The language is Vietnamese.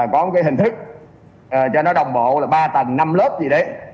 có một cái hình thức cho nó đồng bộ là ba tầng năm lớp gì đấy